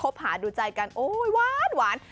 หาดูใจกันโอ้ยหวาน